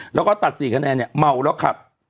แล้วตัด๔คะแนนเมาแล้วขับ